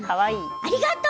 ありがとう。